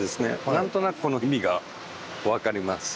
なんとなくこの意味が分かります。